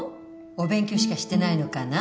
お勉強しかしてないのかな？